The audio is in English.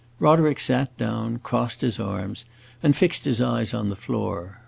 Roderick sat down, crossed his arms, and fixed his eyes on the floor.